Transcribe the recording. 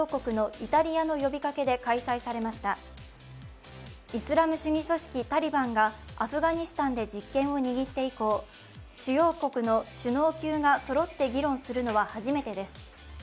イスラム主義組織タリバンがアフガニスタンで実権を握って以降、主要国の首脳級がそろって議論するのは初めてです。